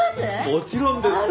もちろんです。